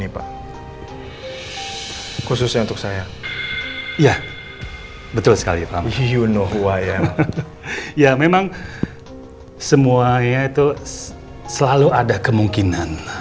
betul betul sekolah kan pake seragam semua